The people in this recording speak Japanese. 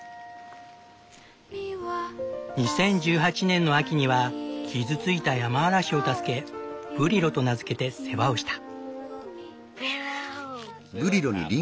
２０１８年の秋には傷ついたヤマアラシを助け「ブリロ」と名付けて世話をした。